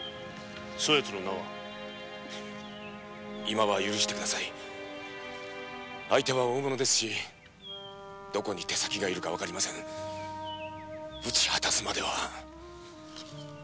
今は許して下さい相手は大物ですしどこに手先がいるか分かりません討ち果たすまでは。